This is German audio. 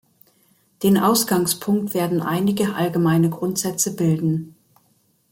Den Ausgangspunkt werden einige allgemeine Grundsätze bilden.